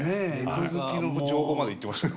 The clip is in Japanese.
猫好きの情報まで行ってましたか。